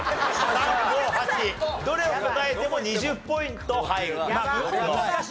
３５８どれを答えても２０ポイント入ります。